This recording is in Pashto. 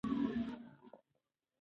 که کار ونه کړې، نو پیسې به له کومه کړې؟